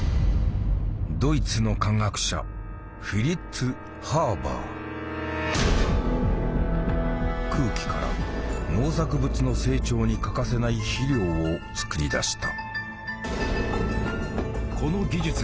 ドイツの空気から農作物の成長に欠かせない肥料を作り出した。